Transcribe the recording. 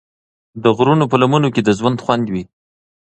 د غرونو په لمنو کې د ژوند خوند وي.